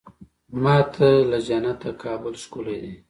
ما ته له جنته کابل ښکلی دی.